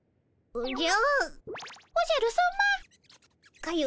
おじゃ！